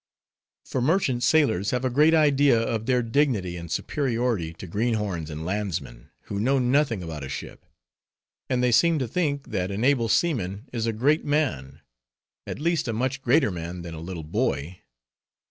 For merchant sailors have a great idea of their dignity, and superiority to greenhorns and landsmen, who know nothing about a ship; and they seem to think, that an able seaman is a great man; at least a much greater man than a little boy.